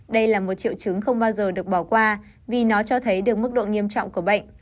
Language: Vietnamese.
đây là một triệu chứng không bao giờ được bỏ qua vì nó cho thấy được mức độ nghiêm trọng của bệnh